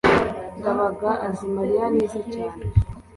ndabaga azi mariya neza cyane